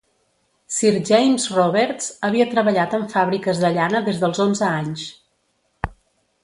Ser James Roberts havia treballat en fàbriques de llana des dels onze anys.